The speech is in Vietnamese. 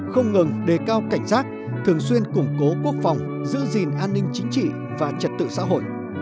không ngừng đề cao cảnh giác thường xuyên củng cố quốc phòng giữ gìn an ninh chính trị và trật tự xã hội